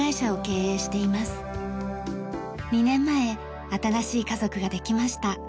２年前新しい家族ができました。